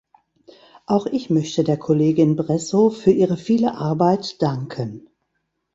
Auch ich möchte der Kollegin Bresso für ihre viele Arbeit danken.